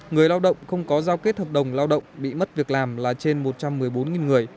người lao động không có giao kết hợp đồng lao động bị mất việc làm là trên một trăm một mươi bốn người